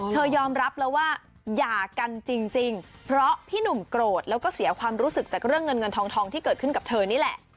ยอมรับแล้วว่าหย่ากันจริงเพราะพี่หนุ่มโกรธแล้วก็เสียความรู้สึกจากเรื่องเงินเงินทองที่เกิดขึ้นกับเธอนี่แหละ